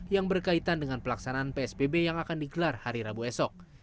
yang berkaitan dengan pelaksanaan psbb yang akan digelar hari rabu esok